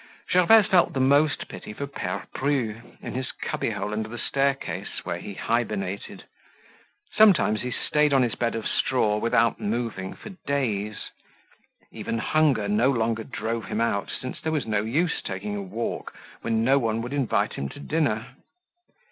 Gervaise felt the most pity for Pere Bru in his cubbyhole under the staircase where he hibernated. Sometimes he stayed on his bed of straw without moving for days. Even hunger no longer drove him out since there was no use taking a walk when no one would invite him to dinner.